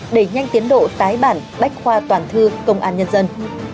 đẩy nhanh tiến độ tái bản bách khoa toàn thư công an nhân dân